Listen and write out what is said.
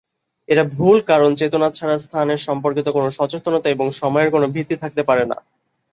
এটা ভুল কারণ চেতনা ছাড়া স্থানের সম্পর্কিত কোন সচেতনতা এবং সময়ের কোন ভিত্তি থাকতে পারে না।